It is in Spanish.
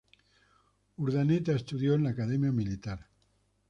Urdaneta estudió en la Academia Militar.